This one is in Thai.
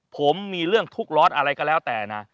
ผมมีเรื่องทุกข์ร้อนอะไรก็แล้วแต่นะ